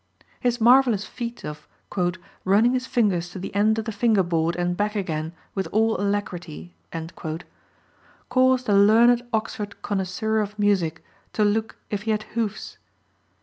His marvelous feat of "running his fingers to the end of the finger board and back again with all alacrity" caused a learned Oxford connoisseur of music to look if he had hoofs.